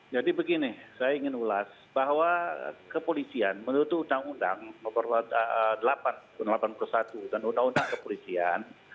jadi begini saya ingin ulas bahwa kepolisian menurut undang undang delapan delapan puluh satu dan undang undang kepolisian